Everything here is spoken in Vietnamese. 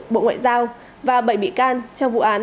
bộ công an